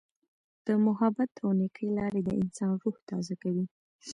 د محبت او نیکۍ لارې د انسان روح تازه کوي.